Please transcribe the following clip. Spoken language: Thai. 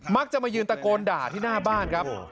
มักจะมายืนตะโกนด่าที่หน้าบ้านครับ